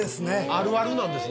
あるあるなんですね。